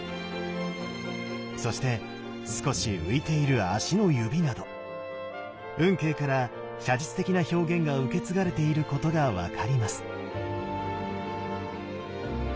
そして少し浮いている足の指など運慶から写実的な表現が受け継がれていることが分かります。